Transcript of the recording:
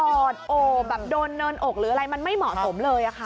อดโอบแบบโดนเนินอกหรืออะไรมันไม่เหมาะสมเลยค่ะ